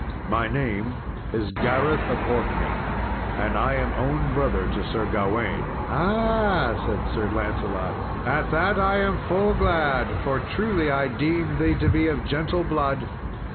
"My name is Gareth of Orkney, and I am own brother to Sir Gawain." "Ah!" said Sir Lancelot, "at that am I full glad; for, truly, I deemed thee to be of gentle blood."